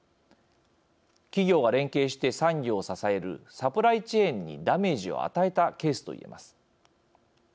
企業が連携して産業を支えるサプライチェーンにダメージを与えたケースと言えます。